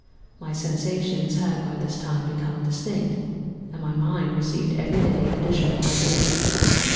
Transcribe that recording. My sensations had by this time become distinct, and my mind received every day additional ideas.